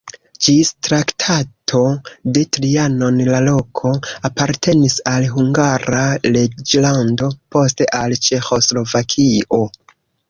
Ĝis Traktato de Trianon la loko apartenis al Hungara reĝlando, poste al Ĉeĥoslovakio.